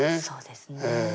そうですね。